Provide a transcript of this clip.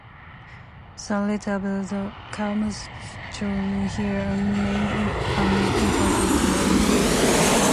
The latter built a "castrum" here and made it an important road hub.